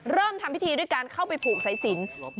เริ่มทำพิธีด้วยการเข้าไปผูกสายสิน